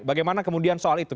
bagaimana kemudian soal itu